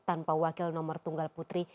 tanpa wakil nomor tunggal putri